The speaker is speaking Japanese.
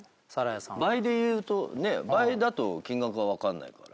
倍で言うと倍だと金額は分かんないから。